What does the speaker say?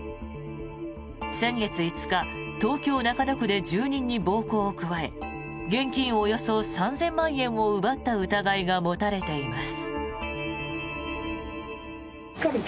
先月５日、東京・中野区で住人に暴行を加え現金およそ３０００万円を奪った疑いが持たれています。